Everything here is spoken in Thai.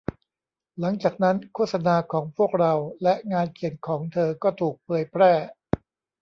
หลังจากนั้น โฆษณาของพวกเราและงานเขียนของเธอก็ถูกแผยแพร่